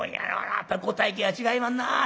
やっぱご大家は違いまんなあ。